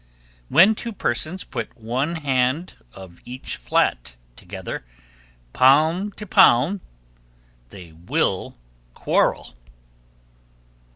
_ 1297. When two persons put one hand of each flat together, palm to palm, they will quarrel.